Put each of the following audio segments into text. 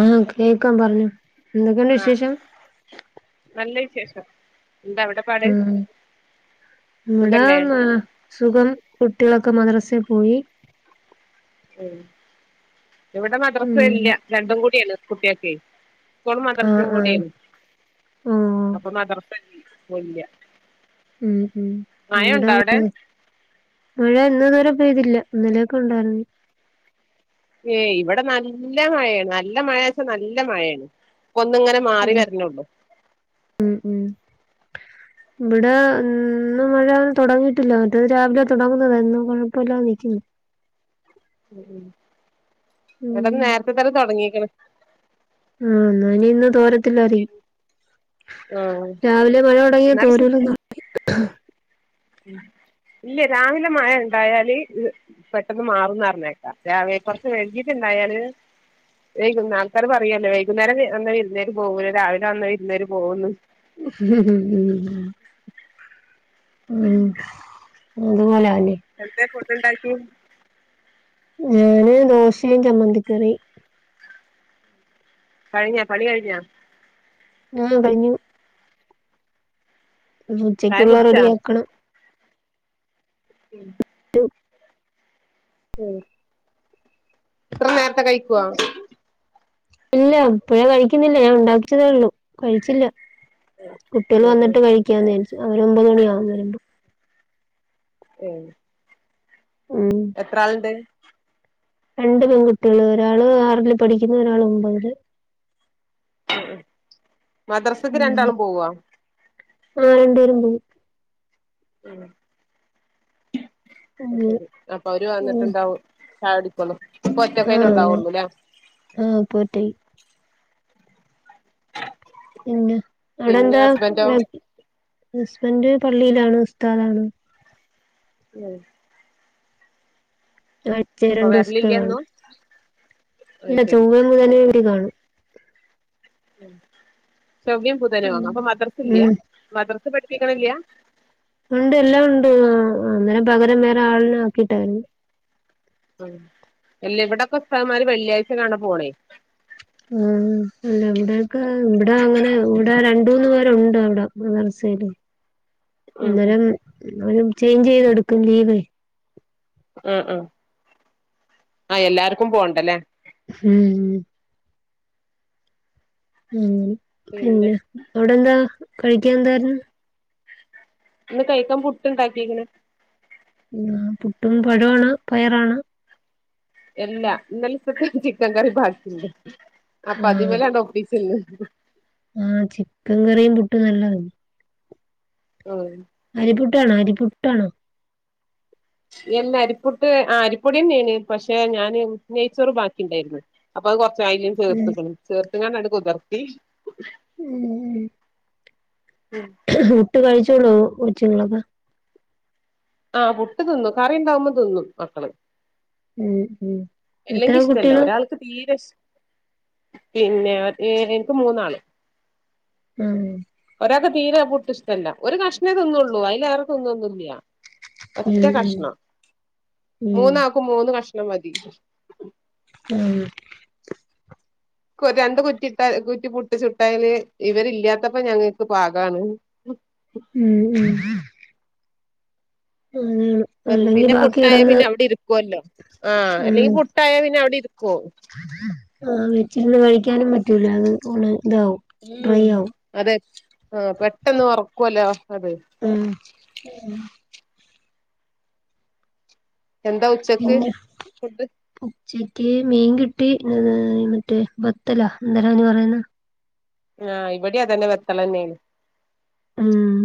ആ കേക്കാ പറഞ്ഞോ എന്തൊക്കെണ്ട് ആഹ് വിശേഷം നല്ല വിശേഷം എന്താ അവിടെ പാട് ഉം ഇവിടാ സുഖല്ലേ ആ സുഖം കുട്ട കുട്ടികളൊക്കെ മദ്രസെ പോയി ഉം ഇവിടെ മദ്രസ ഉം ഇല്ല രണ്ടും കൂടിയാണ് കുട്ടികക്കെ സ്കൂളും ആഹ് ആഹ് മദ്രാസികൂടിയാണ് ഓഹ് അപ്പൊ മദ്രസ ഇപ്പൊ ഇല്ല ഉം ഉം മഴ ഉണ്ടോ അവിടെ ഇവിടാന് മഴ ഇന്ന് വരെ പെയ്തില്ല ഇന്നലെയൊക്കെ ഉണ്ടായിരുന്നു ഏ ഇവിടെ നല്ല മഴയാണ് നല്ല മഴച്ചാ നല്ല മഴയാണ് ഇപ്പ ഒന്ന് ഇങ്ങനെ ഉം മാറി വരണള്ളൂ ഉം ഉം ഇവിടെ ഇന്ന് മഴ തുടങ്ങിയിട്ടില്ല മറ്റേത് രാവിലെ തുടങ്ങുന്നത ഇന്നും കുഴപ്പല്ലാതെ നിക്കുന്നു ഉം ഉം ഇവിടന്ന് നേരത്തെ തന്നെ തുടങ്ങിക്കണ് ആ ഇനി ഇന്ന് തോരത്തില്ലരിക്കും ആഹ് രാവിലെ മഴ തുടങ്ങയ എന്നാലും ശ- തോരൂലന്നാ [unintelligible] ഇല്ല രാവിലെ മഴ ഉണ്ടായാല് പെട്ടെന്ന് മാറുന്നറിഞ്ഞേക്കാ രാവിലെ കുറച്ച് വൈകീട്ട് പയറ് വൈകുന്ന ആൾക്കാര് പറയോലോ വൈകുന്നേരം വന്ന വിരുന്നേര് പോകൂല രാവിലെ വന്ന വിരുന്നേര് പോവുന്ന് ഉം ഉം അതുപോല എന്തേ ഫുഡ്‌ ഉണ്ടാക്കി ഞാന് ദോശയും ചമ്മന്തിക്കറീം കഴിഞ്ഞാ പണി കഴിഞ്ഞാ ആ കഴിഞ്ഞു ചായ ഉച്ചയ്ക്കുള്ള കുടിച്ചാ റെഡിയാക്കണം ഉം ഉം ഇത്ര നേരത്തെ കയിക്കൊ ഇല്ല ഇപ്പഴേ കഴിക്കുന്നില്ല ഞാൻ ഉണ്ടാക്കിവച്ചതേ ഉള്ളൂ കഴിച്ചില്ല കുട്ടികൾ ഉം വന്നിട്ട് ഉം കഴിക്കാന്നെച്ചു അവര് ഒമ്പത് മണിയാകും വരുമ്പോ ഉം ഉം എത്ര ആളിണ്ട് രണ്ട് പെൺകുട്ട്യേള് ഒരാള് ആറില് പഠിക്കുന്ന് ഒരാള് ഒമ്പതില് ഉം മദ്രസക്ക് രണ്ടാളും പോവോ ആ രണ്ടപേരും പോയി ഉം അങ്ങനെ ശരി അപ്പൊ അവര് ഉം വന്നിട്ടുണ്ടാവും ചായുടിക്കൊള്ളൊ ഇപ്പൊ ആഹ് ഒറ്റക്കേനു അങ്ങനെ ഉണ്ടാവുള്ളു ലേ ആഹ് ഇപ്പൊ ഒറ്റക്ക് പിന്നെ അവിടെ പിന്നെ എന്താ ഹസ്ബൻഡോ ഹസ്ബന്റ് പള്ളിയിലാണ് ഉസ്താദ് ആണ് ഉം അഴചയിൽ അപ്പൊ രണ്ടീസൊക്കെ വരലില്ല കാണു എന്നും അത് ഇല്ല ശരി ചൊവ്വ ബുധനും ഇവിടെ കാണും ഉം ചൊവ്വേ ബുധനോ അപ്പൊ മദ്രസ ഇല്ല്യ ഉം മദ്രസ് പഠിപ്പിക്കണില്ല ഉണ്ട് എല്ലാം ഉണ്ട് അന്നേരം പകരം വേറെ ആളിനെ ആക്കിട്ടാ വരുന്നേ ഉം എല്ല ഇവിടൊക്കെ ഉസ്താദ്മാര് വെള്ളിയാഴ്ച കാണ പോണേ ആ അല്ല ഇവിടൊക്കെ ഇവിടെ അങ്ങനെ ഇവിടെ രണ്ട് മൂന്ന് പേരുണ്ട് അവിടെ ഉം ഉം അന്നേരം ഒരു ചേഞ്ച് ചെയ്ത് എടുക്കും ലീവേ ഉം ഉം ആ എല്ലാർക്കും പോണ്ടല്ലേ ഉം ഉം പിന്നെ അവിടെ എന്താ കഴിക്കാൻ എന്തായിരുന്നു ഇന്ന് കഴിക്കാൻ പുട്ട് ഉണ്ടാക്കിക്കണ് ഉം പുട്ടും പഴോണോ പയറാണോ എല്ലാ ഇന്നലത്തെ ചിക്കൻ കറി ബാക്കിണ്ട് അപ്പൊ അതിമലാണ്ട് ഒപ്പിച്ചിന്ന് ആ ചിക്കൻ കറിയും പുട്ടും നല്ലത് ഉം അരിപ്പുട്ടാണോ അരി പുട്ടാണോ എല്ലാ അരിപുട്ട് ആ അരിപ്പൊടിന്നെയാണ് പക്ഷെ ഞാൻ നെയ്ച്ചോറ് ബാക്കി ഉണ്ടായിരുന്നു അപ്പൊ അത് കൊറച്ച് അയില് ഉം ചേർത്തിക്കണ് ചേർത്തിങ്ങാണ്ടാണ്ട് കുതിർത്തി ഉം പുട്ട് കഴിച്ചോളോ കൊച്ചിങ്ങളൊക്കാ ആഹ് പുട്ട് തിന്നും കറിയുംണ്ടാാവുമ്പോ തിന്നും മക്കള് ഉം ഉം എത്ര എല്ലെങ്കി ഇഷ്ടമല്ലോ കുട്ടികള് ഒരാൾക്ക് തീരെ ഇഷ പിന്നെ ഏ എനിക്ക് മൂന്നാള് ഉം ഇൊക്ക തീരെ പൊട്ടിഷ്ടല്ല ഒരു കഷ്മേൊന്നുള്ളള്ളൂ അതിലേറെ തിന്നൊന്നുമില്ല ഒറ്റ ഉം ഉം കഷ്ണം ഉം മൂന്ന ആക്കും മൂന്ന് കഷണം മതി ആഹ രണ്ട് കുറ്റി ഇട്ട കുറ്റി പൊട്ടിച്ചുട്ടായല് ഇവരില്ലാത്തപ്പോ ഞങ്ങക്ക് പാകമാണ് ഉ ഉ വെറ അല്ലെങ്കി പിന്നെ ബാക്കി പുട്ടായ കിടന്ന് പിന്നെ അവിടെ ഇരിക്കുവല്ലോ ആ അല്ലെങ്കിൽ പുട്ടായ പിന്നെ അവിടെ ഇും ആ വെച്ചിരുന്ന് കഴിക്കാനും പറ്റൂല അത് പോണ് ഉം അതെ ആ പെട്ടെന്ന് വറക്കുവലോ അതെ ഉം എന്താ ഉച്ചക്ക് ഫുഡ് ചേക്കി മീൻ കിട്ടി മറ്റേ ബത്തലാ എന്തരാ അതിനു പറയുന്ന ആഹ് ഇവിടെ അതന്നെ വത്തളന്നെയ ഉം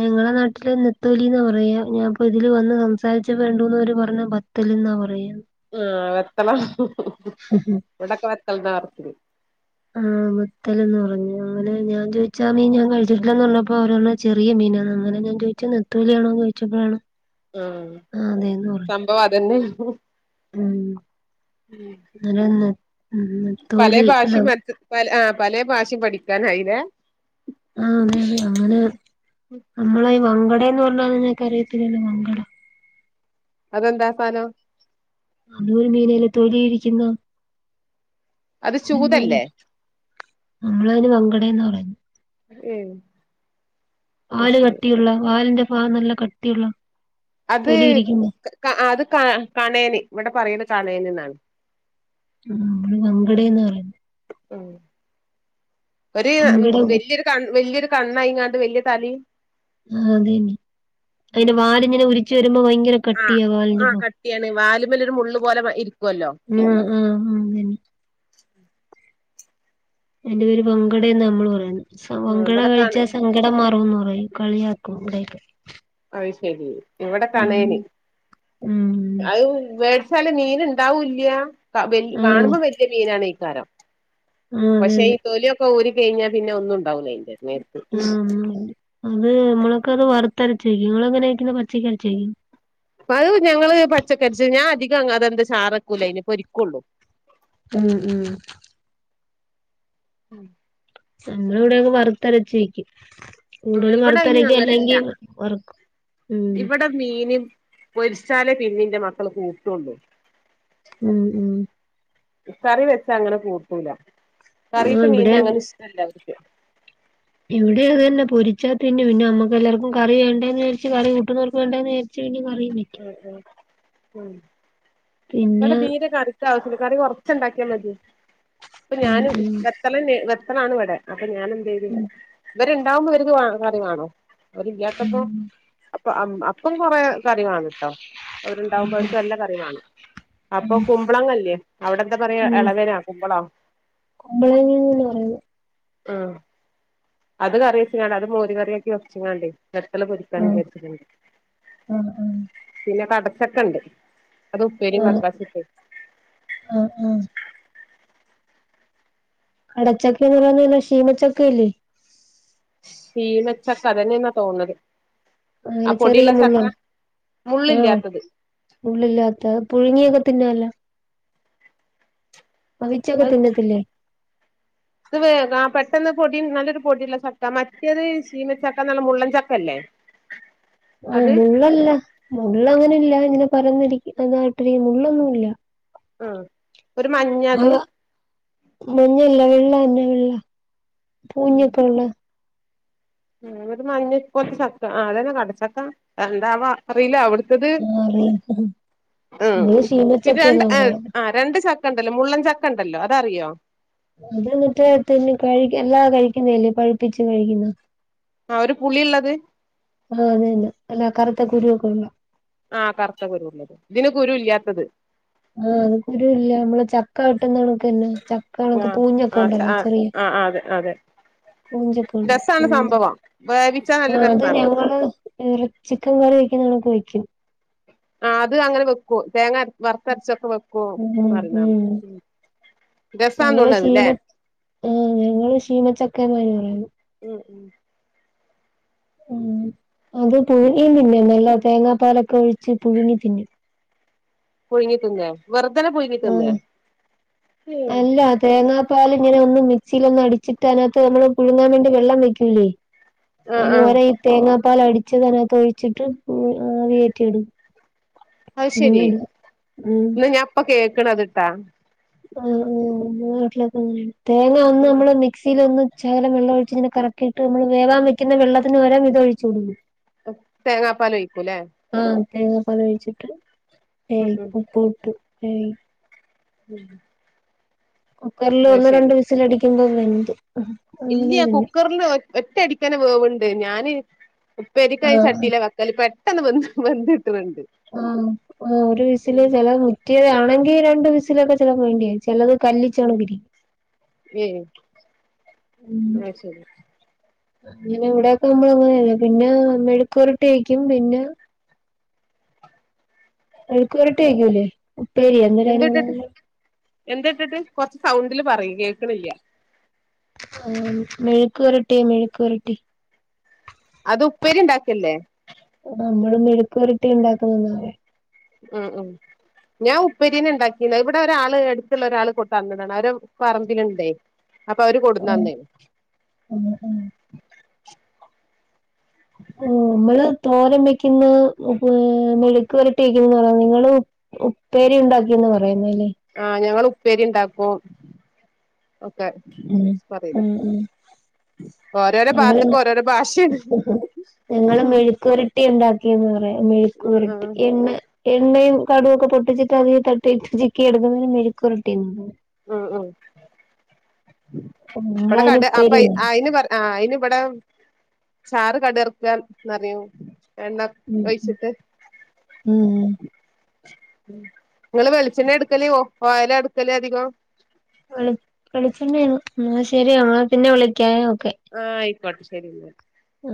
ഞങ്ങളെ നാട്ടില് നത്തോലിന്ന് പറയാ ഞാൻപ്പോ ഇതില് വന്ന് സംസാരിച്ച വേണ്ട ൂന്നര് പറഞ്ഞ ബത്തൽ എന്നാ പറൻ ഉടക്ക വക്കൽതാ വത്തി ആഹ മുത്തലന്ന് പറഞ്ഞു അങ്ങനെ ഞാൻ ചോദിച്ചാ മീ ഞാൻ കഴിച്ചിട്ടില്ലന്ന് പറഞ്ഞപ്പോ അവരോ ചെറിയ മ പിന്നെ അങ്ങെ ഞാൻ ചോച്ച നത്തവലാണോ ചോച്ചപ്പോഴണോ ആഹ സംഭവ അതന്നെ ഉം അല്ലൊന്ന പല ഭാഷയും മ പ ആ് പല ഭാഷയും പഠിക്കാനായില്ല ആഹ അതെ അതെ അങ്ങനെ നമ്മള ഈ വങ്കട എന്ന് പറഞ്ഞല് ഞനക്ക് അറിയത്തില്ലല്ല വങ്കട അതെന്താസാനോ ആ നൂറ് മീനല്ല തൊലി ഉരിക്കുന്ന അത് ന്ത ചൂതല്ലേ നമ്മള അതിന് പങ്കടന്ന് പറയുന്നു ഉഏ ആല് കട്ടിയുള്ള വാലിന്റെ ഭാഗം നല്ല കട്ടിയുള്ള അത് തൊലി ഇരിക്കുന്ന അത് കാ കാണയനി ഇവിടെ പറയുന്ന കാണയനി എന്നാണ് ആ നമ്മള് വങ്കടന്ന് പറയ ഉ ഒരു വങ്കട വല്യൊരു ക വല്യൊരു കണ്ണാ ഇങ്ങാണ്ട് വലിയ തലി ആ അതെന്നെ അതിന്റെ വാലിങ്ങനെ ഉരിച്ചു വരുമ്പോ ഭയങ്കര കട്ടിയാ വാലിന്റെപ്പോ രു മുള്ള് പോലെരിക്കും ആഹ ആഹ് ആതന്നെ ഉ എന്റെ പേര് വങ്കടയന്ന് നമ്മള് പറയുന്നു ആഹ് വങ്കട ഇവിടെ കാണ കഴിച്ചാൽ സങ്കടം മാറുംന്ന് പറയും കളിയാക്കും ഇവിടക്ക ശരി ഇവിടെ കണേന് ഉം അത് വേടിച്ചാല് മീൻ ഉണ്ടാവൂില്ല ആ കാണുമ്പോ വലിയ മീനാണ് ഈ കാരം ആ അതെ പക്ഷെ അതെ ഈ തൊലിയൊക്കെ ഉരി കഴിഞ്ഞാ പിന്നെ ഒന്നും ഉണ്ടാവല അയിന്റെ നേരത്ത് ആ ഒന്നുമില്ല. അത് നമ്മളൊക്കെ അത് വറുത്തരച്ചോയ്ക്കും നിങ്ങൾെങ്ങനക്കുന്ന പച്ചക്കരച്ചോക്കും അപ്പ അത് ഞങ്ങള് പച്ചക്കറിച്ച് ഞാൻ അധികം അതെന്താ ചാറക്കൂല അതിനി പൊരിക്കുള്ളു ഉം ഉം ഉം നമ്മള ഇവിടെയൊക്കെ വറുത്തരച്ചിരി ക്കും ആഹ് കൂടുതലും ഇവിടെ അയിന് വറുത്തരക്കും അങ്ങനെല്ല അല്ലെങ്കി വറ് ക്കും ഉം ഇവിടെ മീന് പൊരിച്ചാലേ പിന്നീന്റെ മക്കള് കൂട്ടൊള്ളു ഉം ഉം കറി വെച്ച ങ്ങനെ കൂട്ടൂല ആ കറീത്തെ ഇവിടെ മീനിനെ അങ്ങനെ ഇഷ്ടല്ല ഇവിടെ അതെന്നെ പൊരിച്ചാ പിന്നെ പിന്നെ നമ്മുക്ക് എല്ലാവർക്കും കറി വേണ്ടന്ന് വിജാരിച്ച് കറി കൂട്ടുന്നവർക്ക്ക് വേണ്ടന്ന് വിജാരി പിനെ ഉം ഉം പിന്നെ ഉംനടെ നീരെ കറിക്ക ആവശ്യമ കറി കൊറ- കൊറച്ച് ണ്ടാക്കിയാ മതി അപ്പൊ ഉം ഞാനും ഉം വെത്തള വെത്തളാണ് ഇവിടെ അപ്പൊ ഞാന എന്ത ചെയ് ത് ഉം ഇവരുണ്ടാവുമ്പോ വരുക്ക് കറി വാണം അവരില്ലാത്തപ്പോ അപ്പും കൊറെ കറിവാണട്ടോ അവരുണ്ടാവുമ്പോ അവർക്ക് നല്ല കറിവാണം അപ്പൊ കുമ്പളങ്ങല്യേ അവിടെ എന്താ പറയാ ഉം ഇളവനാ കുമ്പളോ കുമ്പളങ്ങന്ന് പറയുന്ന് ആ അത് കറിവെച്ച്ങ്ങാണ്ടെ അത് മോരി കറിയാക്കി വെച്ച്ങ്ങാ ണ്ടെ വെട്ടല പൊരിക്കാൻ ആ വിചാ രിച്ചിട്ടുണ്ട് ആ ആ പിന്നെ കടച്ചക്കണ്ട് അത് ആ ഉപ്പേരിയും മക്കാസിപ്പ് ആ ആ കടച്ചക്കന്ന് പറന്നല്ല ശീമച്ചക്കല്ലേ ശീമച്ചക്ക അതെന്നെയെന്നാ തോന്നു ന്ന ത് അ ചെറിയ മുള്ളാണ് ആഹ് മുള്ളില്ലാത്തത് മുള്ളില്ലാത്ത പുഴുങ്ങിയൊക്കെ പിന്നല്ല അത് ഭവിച്ചക്കതിന്നത്തില്ലേ ഇത് വേ പെട്ടെന്ന് പൊടി നല്ലൊരു പൊടില്ല ചക്ക മറ്റേത് ചീമച്ചക്ക എന്നല്ല മുള്ളൻ ചക്ക ല്ലേ ആഹ് മുള്ളല്ല മുള്ള അങ്ങനെല്ല ഇങ്ങനെ പരന്നിരിക്കും അതാട്ടിരി മു ള്ളൊന്നുമല്ല ആഹ് ഒരു മഞ്ഞത് മഞ്ഞല്ല വെള്ളന്നെ വെള്ള പൂഞ്ഞൊക്കെള്ള ഉ ഒരു മഞ്ഞ കൊച്ച ചക്ക അതന്നെ കടച്ചക്ക എണ്ടാവ അറിയില്ല അവിടു ത് ആഹ് അറിയാം ഉ ഞങ്ങള് പിന്നെ രണ്ട് ശീമച്ചക്കയെന്നാ പറയാ ആ രണ്ട് ചക്ക് ക്കണ്ടല്ലോ മുള്ളൻ ചക്കണ്ടല്ലോ അതറിയോ അത് എന്നിട്ട് കഴി എല്ലാ കഴിക്കുന്നല്ലേ പഴുപ്പിച്ചു കഴിക്കുന്ന ആഹ് ഒരു പുളിയുള്ളത് ആഹ് അതന്നെ അല്ല കറുത്ത കുരുവൊക്കെ ഉള്ള ആഹ് കറുത്ത കുരുള്ളത് ഇതിന് കുരു ല്ലാത്തത് ആഹ് അത് കുരു ഇല്ല നമ്മള് ചക്ക പെട്ടന്ന്ക്ക്ന്നെ ചക്ക കണക്ക് ആഹ് പൂഞ്ഞൊക്കെ ആഹ് ഉണ്ടല്ലോ ആഹ് ചെറിയ ആഹ് അതെ അതെ പൂഞ്ചപ്പുഴ രസാണ് സംഭവം വേവിച്ചാ നല്ല അത് രസാണ് ഞങ്ങള് റെ ചിക്കൻ കറി വക്കുന്ന നമക്ക് ഒഴി യ്ക്കും ആ അത് അങ്ങനെ വെക്കുവോ തേങ്ങരവറുത്തരച്ചൊക്കെ വെക്കുവോ ന്നറീ ണാന് ഞങ്ങള ശീമ ആ ഞങ്ങള് ശീ മച്ചക്ക പറയുന്നു ഉ ഉം ഉം അത് പുഴുങ്ങിയും തിന്നും നല്ല തേങ്ങാപ്പാലൊക്കെ ഒഴിച്ച് പുഴുങ്ങി തിന്നു പുഴുങ്ങി തിന്ന വെറുതനെ പുഴുങ്ങി തിന്ന ആഹ് അങ്ങനെ ഒന്ന് മിക്സിൽ ഒന്ന് അടിച്ചിട്ട് അതിനകത്ത് നമ്മള് പുഴുങ്ങാൻ വേണ്ടി വെള്ളം വെക്കൂല്ലേ ആ അതിന് ആ പകരം അതിനകത്ത് ഈ തേങ്ങാപ്പാൽ അടിച്ച അ തിനകത്ത് ഒഴിച്ചിട്ട് വേറ്റിടും അത് ശെരി ന്ന ഞാപ്പ കേക്ക് ണതിട്ടാ ആ ആ നാട്ടിലൊക്കെ അങ്ങനേണ് തേങ്ങ ഒന്ന് നമ്മള മിക്സിൽ ഒന്ന് ച്ചകലം വെള്ള ഒഴിച്ചിെ കറക്കിട്ട് നമ്മൾ വേവാൻ വെക്കുന്ന വെള്ളത്തിന് വരം ഇതൊഴിച്ചു കൊടുക്കൂ തേങ്ങാപ്പാല് ഒഴിക്കൂല്ലേ തേങ്ങ പാലൊഴിച്ചിട്ട് ഏ ഉം ഉപ്പും ഇട്ട് ഏയ് ഉം കുക്കറിൽ അത് ഒന്ന് രണ്ട്‌ വിസിലടിക്കുമ്പോ വെന്തു ഇല്ല കുക്കറിന് ഒറ്റ അടിക്കന്നെ വേവ്ണ്ട് ഞാന് ഉപ്പേര്യോക്കെ ആഹ് ചട്ടില വെക്കല് പെട്ടെന്ന് വെന്ത് വെന്ത് - ആ ഒ ഒരു വിസില് ചെല മുറ്റിയതാണെങ്കി രണ്ട് വിസിലൊക്കെ ചെലപ്പൊ വേണ്ടെരും ചെലത് കല്ലിച്ചണക്കിരിക്കും ഏ [unintelligible] മ് അത് ശെരി അങ്ങനെ ഇവിടെക്കാവുമ്പൊ അങ്ങനെയാണ് പിന്നെ മെഴുക്കുപെരട്ടി വെക്കും പിന്നെ മെഴുക്കുപെരട്ടി വെക്കൂലേ. ഉപ്പേരി അന്നേരം എന്ത്‌ അതിന് ഇട്ടിട്ട് ഇവിടെ എന്ത്‌ ഇട്ടിട്ട് കൊറച്ച് സൗണ്ടില് പറയു കേക്ക്ണില്ല. ആ മെഴുക്കുപെരട്ടി മെഴുക്കുപെരട്ടി അത് ഉപ്പേരി ഉണ്ടാക്കല്ലേ. നമ്മള് മെഴുക്കുപെരട്ടി ഉണ്ടാക്കുന്നെന്ന പറയാ ഉം ഉം ഞാൻ ഉപ്പേരിന്നേ ഇണ്ടാക്കി പിന്നെ ഇവിടെ ഒരാള് എടുത്തുള്ള ഒരാള് കൊ തന്നതാണ്. അവരെ പറമ്പില്ണ്ടേ. അപ്പൊ അവര് കൊടുന്നന്ന് പറയ നമ്മള് തോരൻ വെക്കുന്നത് മെഴക്ക് പെരട്ടി വെക്കുന്ന പറയാ നിങ്ങള് ഉപ്പേരി ഉണ്ടാക്കിന്ന് പറയും. ആ ഞങ്ങള് ഉപ്പേരി ഇണ്ടാക്കും. ഉം ഉം മ് ഓരോരോ ഞങ്ങള് ഭാഗത്തക്ക് ഓരോരോ ഭാഷയാണ് ഞങ്ങള് മെഴുക്ക്പെരട്ടി ഇണ്ടാക്ക- ന്ന് പറയാ ഉം ഉം മെഴുക്കുപുരട്ടി എണ്ണേ എണ്ണയും കടുകും ഒക്കെ പൊട്ടിച്ചിട്ട് അതിൽ തട്ടിയിട്ട് ചിക്കി എടുക്കുന്നതിന് മെഴുക്കുപെരട്ടിന്ന് പറയും. മ് മ് അപ്പടെ നിങ്ങളതിന് കട് അപ്പൊ ഉപ്പേരിന്ന് അയ്ന് പറ ആ അയ്ന് ഇവിടെ ചാറ് കടറക്കാന്നറയും. എണ്ണ പറയും ഉം ഒഴിച്ചിട്ട് ഉം ഇങ്ങള് വെളിച്ചെണ്ണേ എടുക്കല് ഒ ഓയല എടുക്കല് അധികോം. വെളി വെളിച്ചെണ്ണ ണ് ന്നാ ശരി [unintelligible] പിന്നെ വിളിക്കാവേ ഓക്കെ ആ അയ്ക്കോട്ടെ ശരിന്നാ. മ്